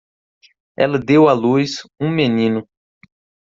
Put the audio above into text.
Ela deu à luz um menino